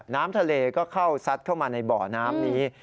น้ำทะเลก็เข้าซัดเข้ามาในบ่อน้ำนี้